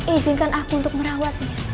izinkan aku untuk merawatnya